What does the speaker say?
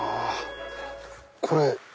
これ。